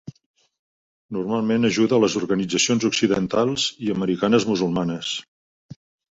Normalment ajuda a les organitzacions occidentals i americanes-musulmanes.